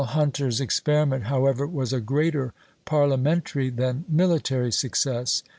Hunter's experiment, however, was a greater parliamentary than military success.